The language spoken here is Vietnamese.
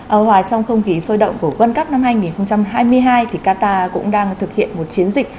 ở hòa trong không khí sôi động của quân cấp năm hai nghìn hai mươi hai thì qatar cũng đang thực hiện một chiến dịch